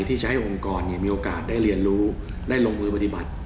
ที่จะให้องค์กรมีโอกาสได้เรียนรู้ได้ลงมือปฏิบัติ